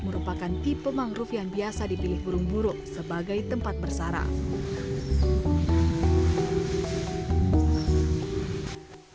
merupakan tipe mangrove yang biasa dipilih burung burung sebagai tempat bersaraf